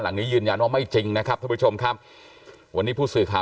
ข่าวอะไรที่ไม่จริงก็อย่าออกไปเลย